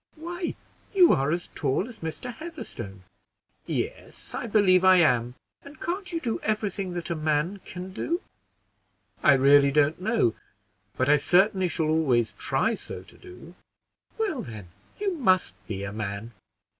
"Why, you are as tall as Mr. Heatherstone." "Yes, I believe I am." "And can't you do every thing that a man can do?" "I really don't know; but I certainly shall always try so to do." "Well, then, you must be a man."